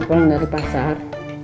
pulang dari pasar